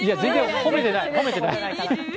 褒めてない。